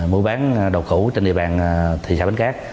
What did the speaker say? mua bán đồ cũ trên địa bàn thị xã bến cát